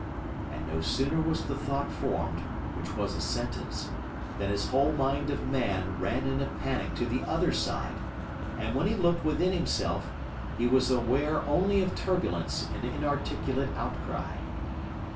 And no sooner was the thought formed (which was a sentence) than his whole mind of man ran in a panic to the other side: and when he looked within himself, he was aware only of turbulence and inarticulate outcry.